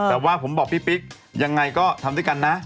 แต่ว่าผมบอกพี่ปิ๊กยังไงก็ทำด้วยกันนะ